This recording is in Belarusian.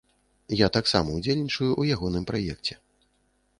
Я таксама ўдзельнічаю ў ягоным праекце.